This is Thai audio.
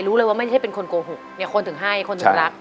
รู้เลยว่าไม่ใช่เป็นคนโกหกเนี่ยคนถึงให้คนถึงรัก